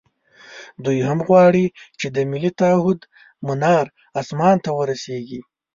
دوی هم غواړي چې د ملي تعهُد منار اسمان ته ورسېږي.